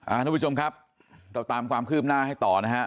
ทุกผู้ชมครับเราตามความคืบหน้าให้ต่อนะฮะ